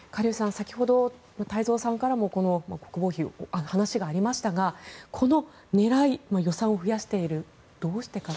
先ほど、太蔵さんからも国防費の話がありましたがこの狙い、予算を増やしているどうしてか。